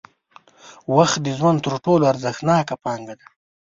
وخت د ژوند تر ټولو ارزښتناکه پانګه ده.